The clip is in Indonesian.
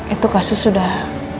itu kasus sudah